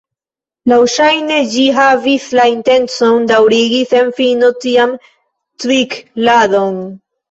Laŭŝajne ĝi havis la intencon daŭrigi sen fino tian tvink'ladon.